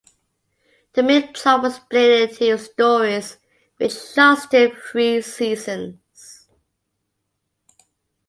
The main plot was split into stories which lasted three seasons.